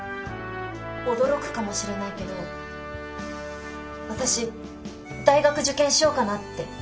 驚くかもしれないけど私大学受験しようかなって。